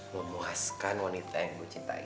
memuaskan wanita yang ku cintai